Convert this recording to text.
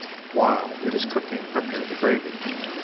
While it is cooking prepare the gravy.